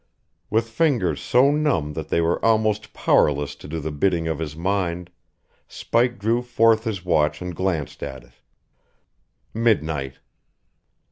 With fingers so numb that they were almost powerless to do the bidding of his mind, Spike drew forth his watch and glanced at it. Midnight!